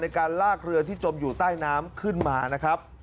การลากเรือที่จมอยู่ใต้น้ำขึ้นมานะครับ